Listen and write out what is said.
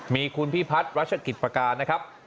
มีคุณพิพัฒน์รัชกิจประการนะครับ